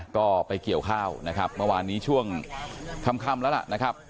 ก็ไปเกี่ยวข้าวนะครับเมื่อวานนี้ช่วงค่ำแล้วล่ะนะครับ